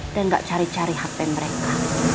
dan nggak cari cari hp mereka